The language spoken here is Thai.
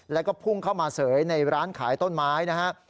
แล้วก็พุ่งเข้ามาเสยในร้านขายต้นไม้นะฮะ